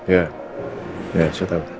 ya ya sudah